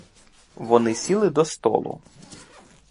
Вони сіли до столу.